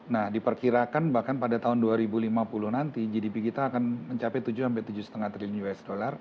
nah diperkirakan bahkan pada tahun dua ribu lima puluh nanti gdp kita akan mencapai tujuh tujuh lima triliun usd